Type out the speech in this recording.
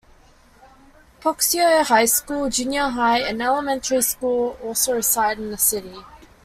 Puxico High School, Junior High and Elementary school also reside in the city.